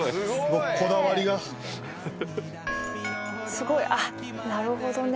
「すごい！あっなるほどね」